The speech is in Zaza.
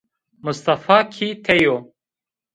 Mistefa kî tey o